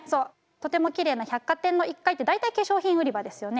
とてもきれいな百貨店の１階って大体化粧品売り場ですよね。